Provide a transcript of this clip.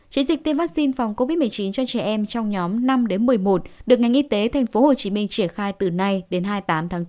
chiến dịch tiêm vaccine phòng covid một mươi chín cho trẻ em trong nhóm năm đến một mươi một được ngành y tế tp hcm triển khai từ nay đến hai mươi tám tháng bốn